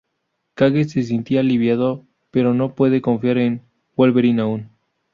Cage se siente aliviado, pero no puede confiar en Wolverine aún.